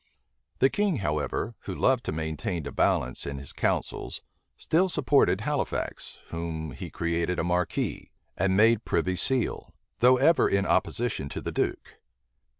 The king, however, who loved to maintain a balance in his councils, still supported Halifax, whom he created a marquis, and made privy seal; though ever in opposition to the duke.